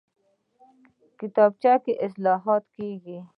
کتابچه کې اصلاحات کېږي